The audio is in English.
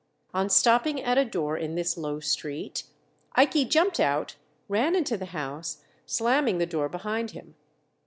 On stopping at a door in this low street, Ikey jumped out, ran into the house, slamming the door behind him.